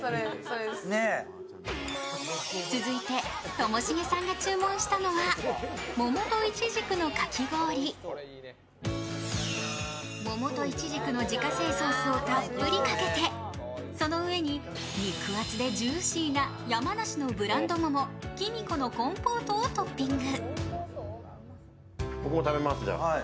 ともしげさんが注文したのは桃とイチジクの自家製ソースをたっぷりかけてその上に肉厚でジューシーな山梨のブランド桃黄美姫のコンポートをトッピング。